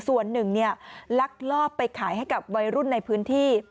ส่วนหนึ่งลักลอบไปขายให้กับวัยรุ่นในพื้นที่